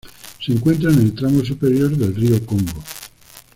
Se encuentra en el tramo superior del río Congo.